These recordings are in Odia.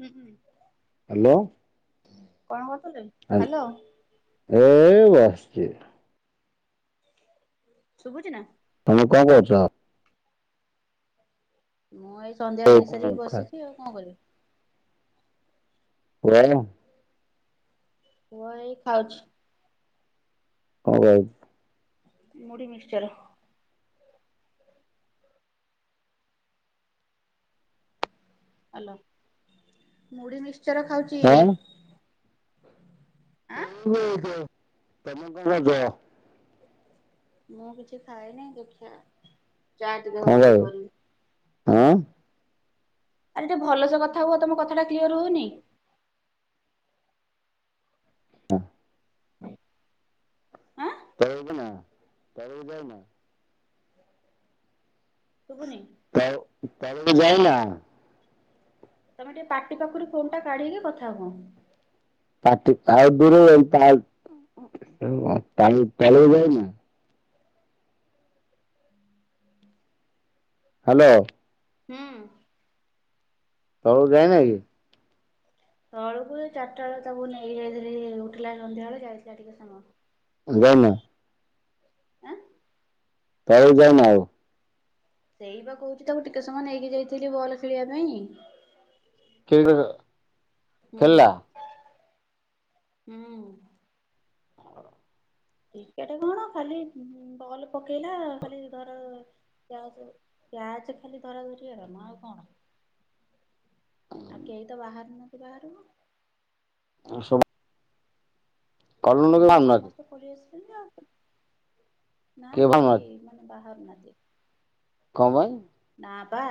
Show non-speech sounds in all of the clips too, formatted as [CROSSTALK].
ହୁଁ ହୁଁ। ହାଲୋ। କଣ କରଥିଲେ। ହାଲ ଏ ବସଚି। ଶୁଭୁଛି ନା? ତମେ କଣ କରୁଚ? ମୁଁ ଏଇ ସନ୍ଧ୍ୟା ତମେ ଦେଇ କଣ ସାରିକି କରୁଛ? ବସିଛି ଆଉ କଣ କରିବି। [UNINTELLIGIBLE] ପୁଅ ହେଇଁ ଖାଉଛି। କଣ ଖାଉଚି? ମୁଢ଼ୀ ମିିକ୍ସଚର। ହ୍ୟାଲୋ ମୁଢି ମିକ୍ଚର ଖାଉଚି। ଆଁ? ତମେ କଣ କରଛ? ମୁଁ କିଛି ଖଏନି ଦେଖିଆ। ଚା ଟିକେ ହବ ଯଦି କରିବି। ଆଁ ଆରେ ଟିକେ ଭଲସେ କଥା ହୁ ତମ କଥା ଟା କ୍ଲିୟର ହୋଉନି। ହଁ। ଆଁ ତରବେ ନା ତରବେ ନା। ଶୁବୁନି? ତଉ ତାଳ ଯାଇନା? ତମେ ଟିକେ ପାଟି ପାଖରୁ ଫୋନ୍ ଟା କାଢିକି କଥା ହୁଅ। ପାଟି ଆଉ ଦୂରେ ତ [UNINTELLIGIBLE] ପାଣିପଳେଇ ଯାଏକି ହାଲୋ। ହୁଁ। ତଳକୁ ଯାଇନା କି? ତଳକୁ ଚାଟା ବେଳେ ତାକୁ ନେଇକି ଯାଇଥିଲି ଉଠିଲା ସନ୍ଧ୍ୟା ବେଳେ ଯାଇଥିଲା ଟିକେ ସମୟ। [UNINTELLIGIBLE] ଆଁ ତଳେଇ ଯାଇଏନ ଆଉ। ସେଇ ବା କହୁଛି ତାକୁ ଟିକେ ସମୟ ନେଇକି ଯାଇଥିଲି ବଲ୍ ଖେଳିବା ପାଇଁ। କେ [UNINTELLIGIBLE] ହୁଁ ହୁଁ କ୍ରିକେଟ କଣ ଖାଲି ବଲ୍ ପକେଇଲା ଖାଲି ଧର- କ୍ୟାଚରେ କ୍ୟାଚ ଖାଲି ଧରା ଧରି ହେବ ନା ଆଉ କଣ? ଆଉ କେହି ତ ବାହାରୁ ନନ୍ତି ବାହାରୁନୁ ଆ ସମ [UNINTELLIGIBLE] ହୁଁ ଭାବୁନାହାନ୍ତି ସମସ୍ତେ ପଳି ଆସିଲେ ଆଉ। ନା କିଏ କେହି ଭାବୁନାହାନ୍ତି ମାନେ ବାହାରୁ ନାହାନ୍ତି। କମାଇ। ନା ପା।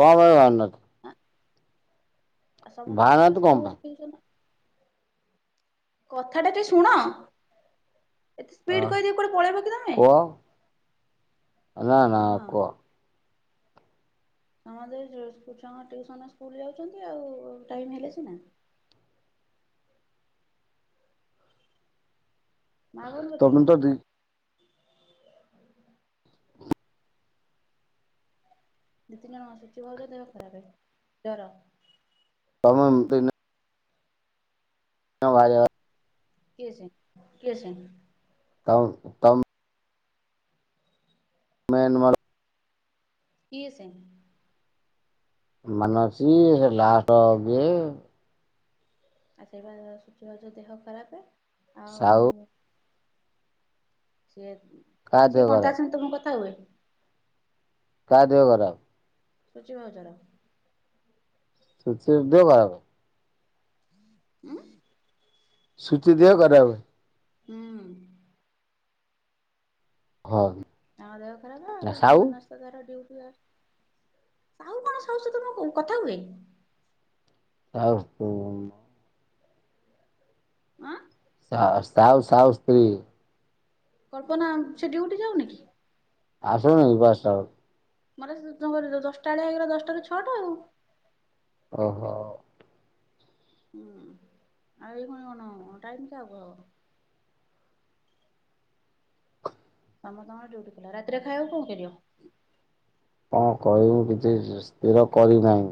କଣ ପାଇଁନ [UNINTELLIGIBLE] ଆ ସମସ୍ତଙ୍କ ଭାବୁନାହାନ୍ତି କଣ [UNINTELLIGIBLE] କଥା ଟା ଟେ ଶୁଣ ଏତେ ପାଇଁ? ସ୍ପିଡ କହିଦେଇି କୁଟେ ପଳେଇବ କି ତମେ? ଆଲା ନା ହଁ କହ ସମଛ ଟୁସନ ସ୍କୁଲ ଯାଉଛନ୍ତି ଆଉ ଟାଇମ ହେଲେ ସିନା ମା କଣ ତମେ କଥିଲେ ତ [INAUDIBLE] ଦି ଦୁଇ ତିନି ଜଣ ଆସୁଛି ଭଲ ଦେହ ଖରାପ ଜର। ତମ ତ ଜ [INAUDIBLE] କିଏ ସେ କିଏ ସେ? ଉତ୍ ତମ ଉତ୍ତମ [INAUDIBLE] ମ୍ୟନ୍ମାର [INAUDIBLE] କିଏ ସେ? ମାନ ଅଛି ଲା [UNINTELLIGIBLE] ଆ ସେଇ ସୂର୍ଯ୍ୟବାଜ ଦେହ ଖରାପୁଏ ସାଉ ସିଏ କାହା ଦେହ ସିଏ କଣ ତା ଖରାପ ସାଙ୍ଗେ ତମେ କଥା ହେବନି? କା ଦେହ ଖରାପ? ସୂଚିବାଚର ସଚି [UNINTELLIGIBLE] ହଁ ସୂଚି ଦେହ କରାବ ହଁ ହଁ ଆମ ଦେହ ଖରାପ ଆଉ ସାହୁ ମନ- [UNINTELLIGIBLE] ସାହୁ କଣ ସାହୁଛି ତମ କ କଥା ହୁଏନି ତାଉକୁ ହଁ [UNINTELLIGIBLE] ସା ସାହୁ ସାହୁ ସ୍ତ୍ରୀ କଳ୍ପନା ସେ ଡିଉଟି ଯାଉନି କି? ଆସନିବାସ ଟା ମୋର ଦଶଟା ବେଆ ହେଇଗଲା ଦଶଟାରୁ ଛଅଟା ଆଉ- ଓହୋ ହୁଁ ଆଉ ଏଇ ଖଣି କଣ ଟାଇମ କି ହବ ତମର ତାଙ୍କର ଡିୟୁଟି ଥିଲା ରାତିରେ ଖାୟାକୁ କଣ କରିବ? କଣ କହିବୁ କିଛି ସ୍ଥିର କରିନାହିଁ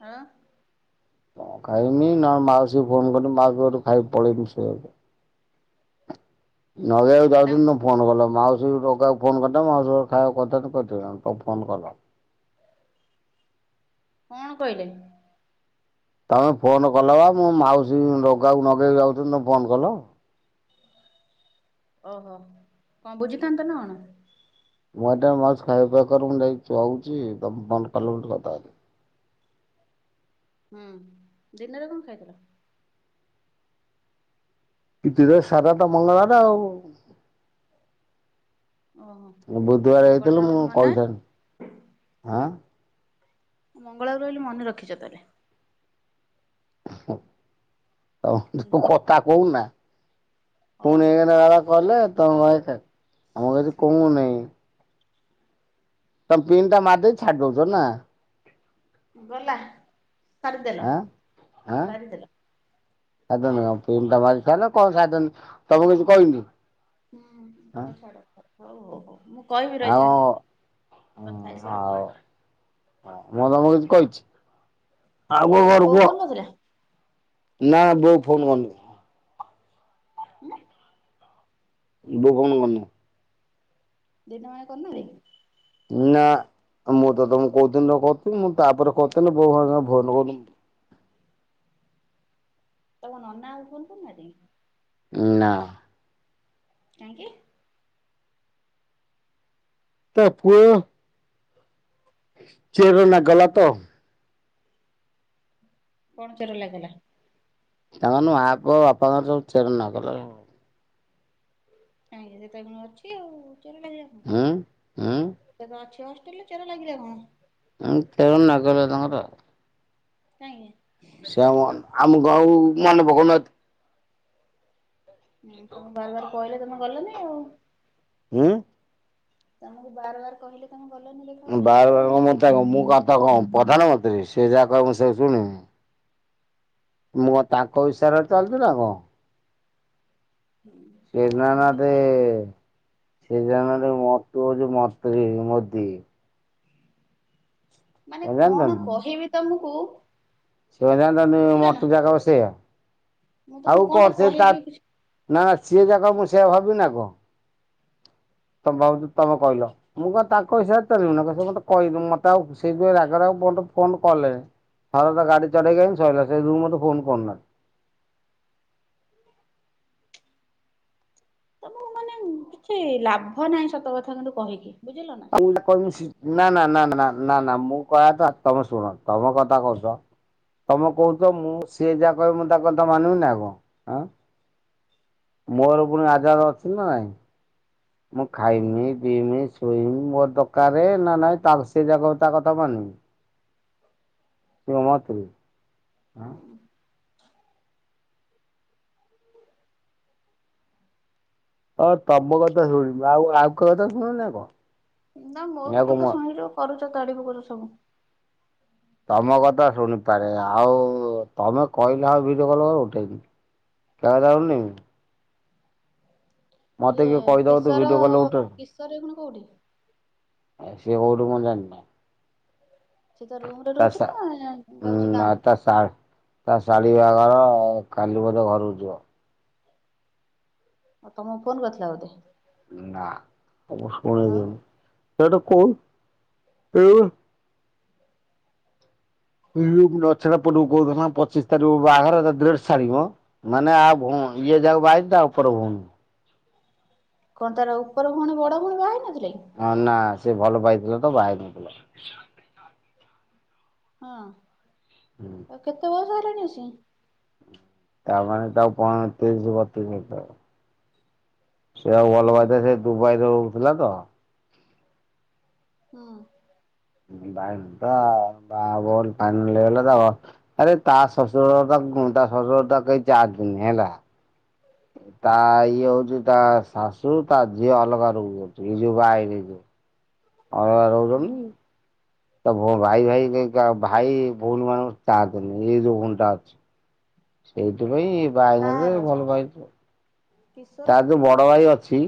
ହେଲା ହଁ ଖାଇନି ନହଲେ ମାସି ଫୋନ କରି ମା ସୁ ଖାଇ ପଳେଇନି ସେ ନଗଉ ତାଙ୍କ ଯାଉଦନ ଫୋନ କଲ ମାଉସୀାକୁ ଫୋନ କରି ମାଉସୀ ଖାଇବା କଥା କହି ତ ଫୋନ କଲ କଣ କହିଲେ ତମେ ଫୋନ୍ କଲ ବା ମୋ ମାଉସୀ ଲଗାକୁ ନଗେଇକି ଯାଉଛନ୍ତି ତମେ ଫୋନ୍ କଲ ଓହୋ କଣ ବୁଝିଥାନ୍ତ ନା କଣ ମୁଁ ଏଟା ମାଛ ଖାଇବା ପିବା କର ମୁ ଯାଇହୁଛି ତମେ ମନ କଲ କଥା ହୁଁ ଦିନରେ କଣ ଖାଇଥିଲ କିରେ ସାରା ତ ମଙ୍ଗଳାର ଆଉ ଓହୋ ବୁଧବାର ମଙ୍ଗଳବାର ହେଇଥିଲୁ ମୁଁ ବୋଲି ମନେ କହିଥାନ୍ତିି ଆଁ ମଙ୍ଗଳବାର ରହିଲେ ମନେଖିଛ ତହେଲେ ତୁ କଥା କହୁନା ହଉ ପୁଣି ହଉ ଏ କଲେ ତମ ହଉ ଆମି କହୁନହି ତମେ ପନ୍ ଟା ମଧେ ଛାଡି ଦଉଛ ନା ଗଲା ସରିଦେଲ ଆଁ ଆଁ ସରିଦେଲ ସରିଦେଲ ତର ଚାଲ କଣ ସାଧନ ତମକୁ ହୁଁ କିଛି କହିନି ହୁଁ ଆଁ ହ ଓଛା ଡକ୍ଟର ହଉ ହଉ ହଉ ମୁଁ କହିବି ରହିଥା ଆଉ କଥା ହସାରେ କହିବି ହ ମୁଁ ତମକୁ କିଛି କହିଛି ଆଉ କୋ ଘର ବୋଉ କୁହ ଫୋନ କରିଥିଲା ନା ବୋଉ ଫୋନ୍ କରନୁି ହୁଁ ବଖନ କର ନ ଦିନ ମା କରନରେ ନା ମୁଁ ତ ତମକୁ କହୁଥିଲି କଥିଲି ମୁଁ ତାପରେ କଥିଲି ବୋଉ ସା ଭ କରଥିଲ ତମ ନନା ଆଉୁନ୍ତୁ ନା ଯାଇି ନା କାହିଁ କିି ତା ପୁଅ ଚେନା ଗଲା ତ କଣ ଚୋର ଲାଗିଲା ତାଙ୍କର ମାଆପ ବାପାଙ୍କର ସବୁ ଚେର ନ କଲେ ଆଜ୍ଞା ସେଟ କ ଅଛି ଆଉ ଚଲ ହୁଁ ସେ ତ ଅଛି ହଷ୍ଟେଲ ରେ ଚେରା ଲାଗିିଲା କଣ ତେର ନ କିଲ ତାଙ୍କରଉ ନାଇଁ ସେ ଆମ ଗଁ ମାନେ ପଖନାହାନ୍ତି ହୁଁ ତମକୁ ବାର ବାର କହିଲେ ତମେ ଗଲନି ଆଉ ହୁଁ ତମକୁ ବାର ବାର କହିଲେ ତମେ ଗଲନି ଦେଖା କରିବାକୁ ବାର ବାର ଆଉ କଣ ମ କ ମୁଁ କଥା କଣ ପ୍ରଧାନମନ୍ତ୍ରୀ ସେ ଯାହା କହିବ ମୁଁ ସେବୁ ଶୁଣିବି ମୁଁ ତାଙ୍କ ବିଷୟରେ ଚାଲିଛି ନା କଣ ହୁଁ ସେ ନା ତମଲ ଜାଣିନାହାନ୍ତି କର ସେ ଜ ମରତଛି ମର ମ ଦି ମାନେ କଣ କହିବି ତମକୁ ସେ ବୁଝିଲ ନା ମୋଟୁ ଜାଗା ବସ [UNINTELLIGIBLE] ମୁଁ ଆଉ ତମକୁ କଣଟା କଣ ସେ ତା କହିବି କିଛି ନା ସିଏ ଯାକ ମୁଁ ସେଆ ଭାବି ନା କଣ ତ ଭାବଛୁ ତମେ କହିଲ ମୁଁ କଣ ତାଙ୍କ କହିଇସିବି ମୋତେ କହିଦୁ ମତେ ଆଉ ସେଇଥି ରାଗରେେ ଫୋନ କଲେ ହଉ ତ ଗାଡ଼ି ଚଳେଇାଇଣି ସହଲା ସେଇ ଦୁ ମତେ ଫୋ କରନ ତ ମୁଁ ମାନେ କିଛି ଲାଭ ନାହିଁ ସତ କଥା କିନ୍ତୁ କହିକି ବୁଝିଲ ନା ଆଉ ନା ନା ନା ନା ନା ନା ମୁଁ କହିବା ତ ତମେ ଶୁଣ ତମ କଥା କହୁଛ ତମେ କହୁଛ ମୁଁ ସିଏ ଯାହା କହିବି ମୁଁ ତା କଥା ମାନିବିିନି ଆ କଣଁ ମୋର ପୁଣି ଆଜଦ ଅଛି ନାଇଁ ମୁଁ ହୁଁ ଖାଇମି ଇ ମୋର ଦରକ ନା ନାଇଁ ତାାର ସେ ଜାଗ ତା କଥା ମାନିବି ଶମାତ୍ରୀ ହଁ [INAUDIBLE] ହଁ ତମ କଥା ଶୁଣିବୁ ଆଉ ଆଉ କ କଥା ଶୁଣୁ ନା କଣ ନା ମୋ ଏହାକୁ ହତକା ମୁଁ ଶୁଣିଛୁ କରୁଛ ତଡ ପୁ କରୁଛ ସବୁ ତମ କଥା ଶୁଣିପାରେ ଆଉ ତମେ କହିଲେ ଆଉ ଭିଡିଓ କଲ କର ଉଠେଇନି କା ରାହୁଲନି ମତେ ଇଏ କିଏ କହିଦବ ତୁ କିଶୋର ଭିଡିଓ କଲ୍ ଉଠଉନୁ କିଶୋର ଏଖୁଣ କୋଉଠି ଏ ସେ ଗଡ ମ ଜା ନା ସେ ତ ରୁମ ତା ସା ନାଁ ତ ସାର୍ ତା ଶାଳି ବାହାଘର କାଲି ବୋଧେ ଘରକୁ ଯିବ। ଉ ତମକୁ ଫୋନ କରିଥିଲା ବୋଧେ। ନା ଅବଶ୍ୟ [INAUDIBLE] ଆଉ ଦିନ ସେଟା କୋଉ [INAUDIBLE] ପଚିଶ ତାରିଖକୁ ବାହାଘର ତ ଛାଡିବ। ମାନେ ଇଏ ଯାହାକୁ ବାହା ହେଇଛି ତା ଉପର ଭଉଣୀ। କଣ ତାର ଉପର କଣ ବଡ ଭଉଣୀ ବାହା ହେଇ ନଥିଲେ? ହଁ ନା ସେ ଭଲ ପାଇଥିଲା ତ ବାହା ହେଇନଥିଲା। ହଁ। ହୁଁ ଆଉ କେତେ ବୟସ ହେଲାଣି ଆସି? ତାମାନେ ତାକୁ ପଇଁତିରିଶ ବତିଶି ହେଇଥିବ ସେ ଆଉ ହୁଁ ଭଲ ପାଇଥିବ ସେ ଦୁବାଇରେ ରହୁଥିଲା ତ ହଁ। ବାଲଟା ବାହାହବ ବୋଲି ଫାଇନାଲ ହେଇଗଲା ତ ଆରେ ତା ଶଶୁରଘର ତାକୁ ତା ଶଶୁର ତାକୁ ଚାହାନ୍ତିନି ହେଲା। ତା ଇଏ ହଉଛି ତା ଶାଶୁ ତା ଝିଅ ଅଲଗା ରହୁଛନ୍ତି ଇଏ ଯୋଉ ବାହାହେଇ ଯାଇଛନ୍ତି। ଅଲଗା ହୁଁ ରହୁଛନ୍ତି। ତା ଭାଇ ଭାଇ ଭାଇ ଭଉଣୀ ମାନଙ୍କ ଚାହାନ୍ତିନି ଏଇ ଯୋଉ ଭଉଣୀଟା ଅଛି। ସେଇଥିପାଇଁ ବାହାହେଇନିରେ କାହାର ଭଲ ପାଇଛି। କିଶୋର ତାର ଯୋଉ ସ୍ତ୍ରୀ ବଡ ଭାଇ ଅଛି।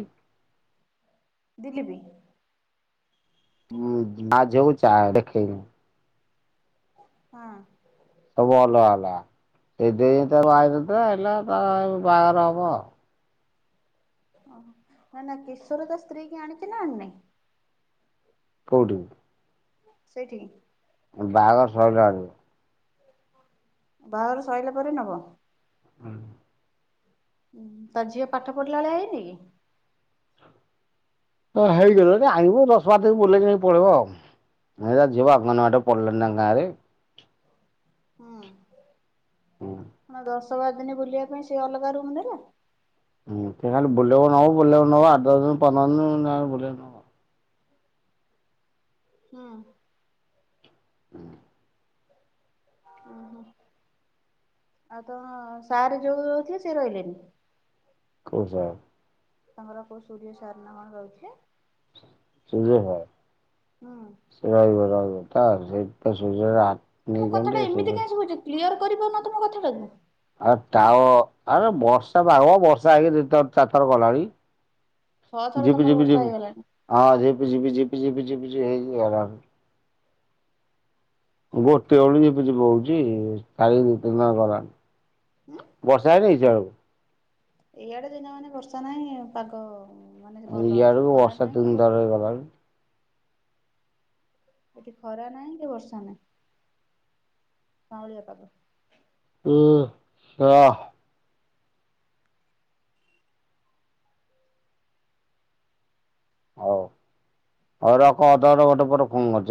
ଦିଲୀପି। ହୁଁ ମା ଝୋଉ ଚା ଦେଖେଇନି। ହଁ। ସବୁ ଅଲଗା ଅଲଗା ସେଇ ଦେଇ ତା ବାହାହେଇନଥିଲା ବାହାଘର ହବ। ଓଃ ନା କେସର ତା ସ୍ତ୍ରୀ କି ଆଣିଛି ନା ଆଣିନାହି। କୋଉଠି? ସେଇଠିକି। ବାହାଘର ସରିଲା ଆଡୁ ବାହାଘର ସଇଲା ପରେ ନବ। [INAUDIBLE] ତା ଝିଅ ପାଠ ପଢ଼ିଲା ଭଳିଆ ହେଇନି କି? ତ ହେଇଗଲାଣି ଆଇବୁ ଦଶ ବାର ଦିନ ବୁଲେଇ ନେଇ ପଳେଇବ ଆଉ ନାଇଁ ଯିବ ଅଙ୍ଗନବାଡି ପଡିଲାଣି ତାଙ୍କ ଗାଁରେ। ହୁଁ ହଁ ଦଶ ବାର ଦିନ ବୁଲିବା ପାଇଁ ସେ ଅଲଗା ରୁମ୍ ନେଲା। ହୁଁ ସେ ଖାଲି ବୁଲିବାକୁ ନବ ବୁଲିବାକୁ ନବ ଆଠ ଦଶ ଦିନ ପନ୍ଦର ଦିନରେ ବୁଲେଇନବ। ହୁଁ। ହୁଁ। ଉଁ ହୁଁ। ଆଉ ତମ ସାର୍ ଯୋଉ ରହୁଥିଲେ ସେ ରହିଲେନି। କୋଉ ସାର୍? ତମର କୋଉ ସୂର୍ଯ୍ୟ ସାର ନା କଣ ରହିଥିଲେ? ସୂର୍ଯ୍ୟ ସାର ହୁଁ। ସେ ରହିବ ରହିବ ତା ରହିବ ସୂର୍ଯ୍ୟ ସାର। ତମ କଥାଟା ଏମିତି କାଇଁ ଶୁଭୁଛି କ୍ଲିୟର କରିିପାରୁନ ତମ କଥାଟାକୁ? ଆଉ ତାଉ ଆରେ ବର୍ଷା ପାଗ ବର୍ଷା ହେଇକି ଦି ଚାର ଚାରି ଥର ଗଲାଣି। ଛଅ ଥର ଝିପି, ତମର ଝିପି, ବର୍ଷା ଝିପି ହେଇଗଲାଣି। ହଁ ଝିପି, ଝିପି, ଝିପି, ଝିପି, ଝିପି ହେଇକି ଗଲାଣି। ଗୋଟେ ବେଳୁ ଝିପି ଝିପି ହଉଛି [UNINTELLIGIBLE] ଗଲା। ହୁଁ। ବର୍ଷା ହେଲାଣି ଜୋର୍। ଏଆଡେ ଦିନେ ମାନେ ବର୍ଷା ନାହିଁ ପାଗ ମାନେ ଭଲ ଅଛି ଖରା ନାହିଁ କି ବର୍ଷା ରହି ଗଲା ଆଉ। ଏଠି ଖରା ନାହିଁ କି ବର୍ଷା ନାହିଁ। ପାଉଁଳିଆ ପାଗ। ଉୁଁ ହ। ହଉ ହଉ ରଖ ଅଧ ଘଣ୍ଟ ଘଣ୍ଟେ ପରେ ଫୋନ କରୁଚି ଆଁ।